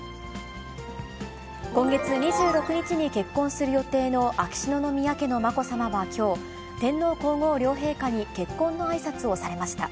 今月２６日に結婚する予定の秋篠宮家のまこさまはきょう、天皇皇后両陛下に結婚のあいさつをされました。